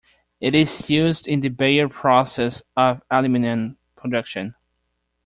It is used in the Bayer process of aluminium production.